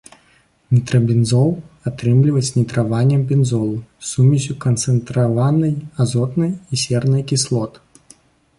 Нітрабензол атрымліваюць нітраваннем бензолу сумессю канцэнтраванай азотнай і сернай кіслот.